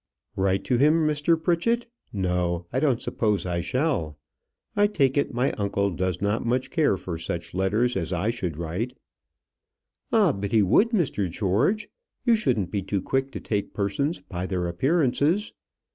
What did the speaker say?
"Write to him, Mr. Pritchett! No, I don't suppose I shall. I take it, my uncle does not much care for such letters as I should write." "Ah! but he would, Mr. George. You shouldn't be too quick to take persons by their appearances.